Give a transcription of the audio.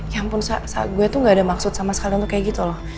ya ampun gue tuh gak ada maksud sama sekali untuk kayak gitu loh